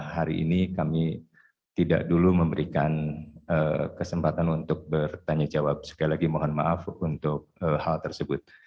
hari ini kami tidak dulu memberikan kesempatan untuk bertanya jawab sekali lagi mohon maaf untuk hal tersebut